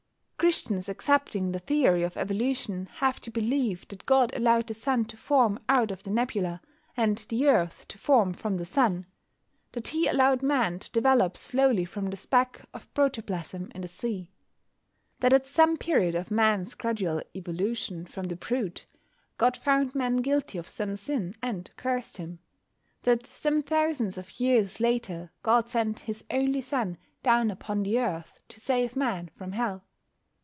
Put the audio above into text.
Christians accepting the theory of evolution have to believe that God allowed the sun to form out of the nebula, and the earth to form from the sun, that He allowed Man to develop slowly from the speck of protoplasm in the sea. That at some period of Man's gradual evolution from the brute, God found Man guilty of some sin, and cursed him. That some thousands of years later God sent His only Son down upon the earth to save Man from Hell.